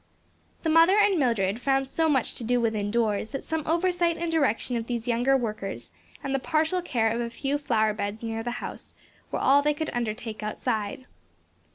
The mother and Mildred found so much to do within doors, that some oversight and direction of these younger workers, and the partial care of a few flower beds near the house, were all they could undertake outside.